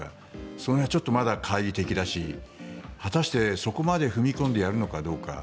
その辺はまだ懐疑的だし果たしてそこまで踏み込んでやるのかどうか。